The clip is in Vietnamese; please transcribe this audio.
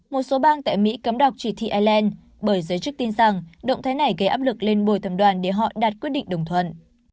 một số bang tại mỹ cấm đọc chỉ thị ireland bởi giới chức tin rằng động thái này gây áp lực lên bồi thẩm đoàn để họ đạt quyết định đồng thuận